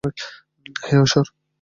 হে, ঈশ্বর!